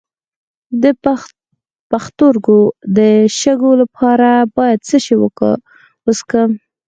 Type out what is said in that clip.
د پښتورګو د شګو لپاره باید څه شی وڅښم؟